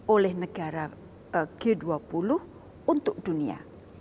oleh negara g dua puluh untuk dunia